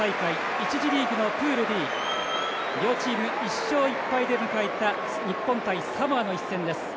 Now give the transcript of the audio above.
１次リーグのプールＤ両チーム、１勝１敗で迎えた日本対サモアの一戦です。